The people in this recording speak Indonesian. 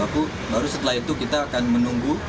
baru setelah itu kita akan menunggu